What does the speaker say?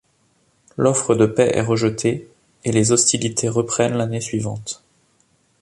L'offre de paix est rejetée, et les hostilités reprennent l'année suivante.